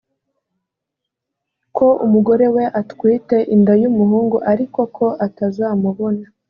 ko umugore we atwite inda y umuhungu ariko ko atazamubona